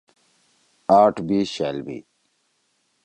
آٹھ بیِش شألمی۔